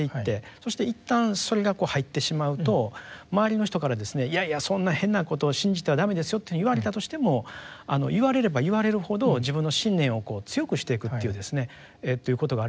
そして一旦それがこう入ってしまうと周りの人からですねいやいやそんな変なことを信じては駄目ですよというふうに言われたとしても言われれば言われるほど自分の信念を強くしていくということがあるわけです。